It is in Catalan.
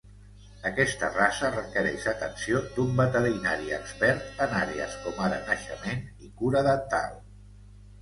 Aquesta raça requereix atenció d'un veterinari expert en àrees com ara naixement i cura dental.